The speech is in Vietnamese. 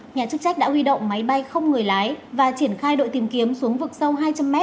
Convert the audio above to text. nhà chức trách đã huy động máy bay không người lái và triển khai đội tìm kiếm xuống vực sâu hai trăm linh m